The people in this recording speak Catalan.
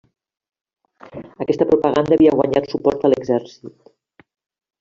Aquesta propaganda havia guanyat suport a l'exèrcit.